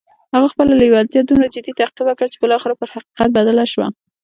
هغه خپله لېوالتیا دومره جدي تعقيب کړه چې بالاخره پر حقيقت بدله شوه.